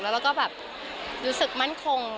แล้วก็แบบรู้สึกมั่นคง